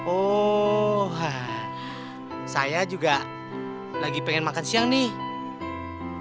oh saya juga lagi pengen makan siang nih